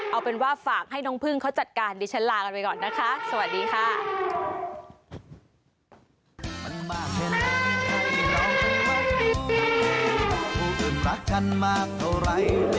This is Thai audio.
เอาเป็นว่าฝากให้น้องพึ่งเขาจัดการดิฉันลากันไปก่อนนะคะสวัสดีค่ะ